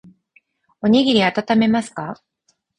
おにぎりあたためますか。